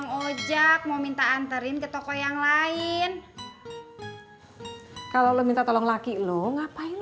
mengojak mau minta anterin ke toko yang lain kalau lo minta tolong laki lu ngapain